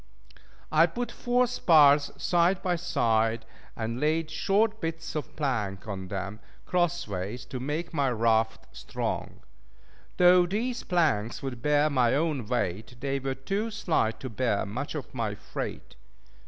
I put four spars side by side, and laid short bits of plank on them, cross ways, to make my raft strong. Though these planks would bear my own weight, they were too slight to bear much of my freight.